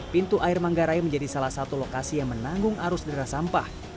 pintu air manggarai menjadi salah satu lokasi yang menanggung arus deras sampah